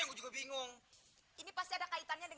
b trader apa tuh tante